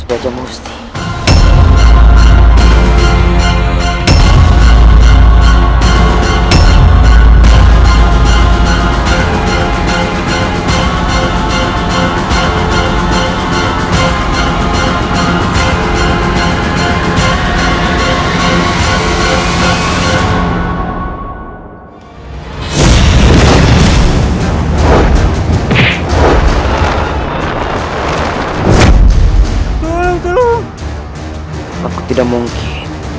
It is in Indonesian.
aku tidak mungkin